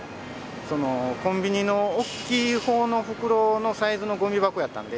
そのコンビニの大きいほうの袋のサイズのごみ箱やったんで。